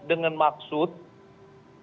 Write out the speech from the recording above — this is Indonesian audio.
dengan maksud bisa menjatuhkan